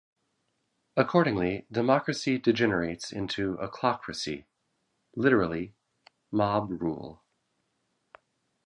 Accordingly, democracy degenerates into "ochlocracy", literally, "mob-rule".